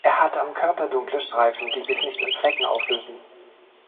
Er hat am Körper dunkle Streifen, die sich nicht in Flecken auflösen.